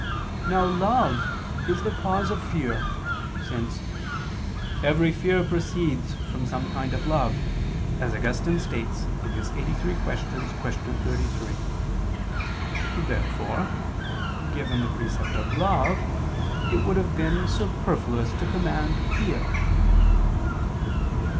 Now love is the cause of fear, since "every fear proceeds from some kind of love," as Augustine states (Qq. lxxxiii, qu. 33). Therefore given the precept of love, it would have been superfluous to command fear.